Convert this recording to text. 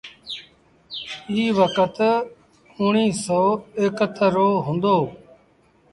ايٚ وکت اُڻيه سو ايڪ اَتر رو هُݩدو۔